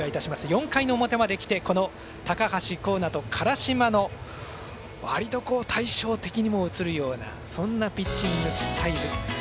４回の表まできて高橋光成と辛島の割と対照的にもうつるようなそんなピッチングスタイル。